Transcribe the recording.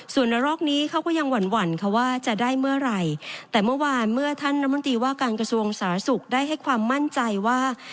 ส่วนระลอกนี้เขาก็ยังหวั่นหวั่นค่ะว่าจะได้เมื่อไหร่แต่เมื่อวานเมื่อท่านน้ำมนตรีว่าการกระทรวงสาธารณสุขได้ให้ความมั่นใจว่า